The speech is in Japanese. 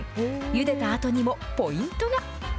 ゆでたあとにもポイントが。